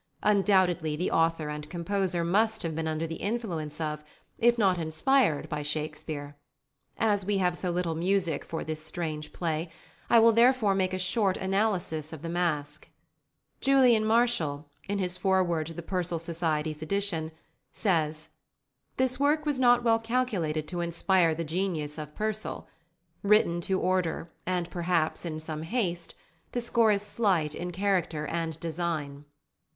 Undoubtedly the author and composer must have been under the influence of, if not inspired by, Shakespeare: as we have so little music for this strange play, I will therefore make a short analysis of the masque. Julian Marshall, in his foreword to the Purcell Society's edition, says: "This work was not well calculated to inspire the genius of Purcell. Written to order, and perhaps in some haste, the score is slight in character and design."